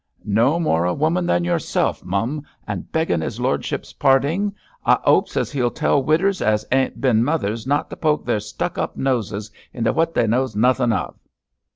'No more a woman than yourself, mum; and beggin' his lordship's parding, I 'opes as he'll tell widders as ain't bin mothers not to poke their stuck up noses into what they knows nothing of.'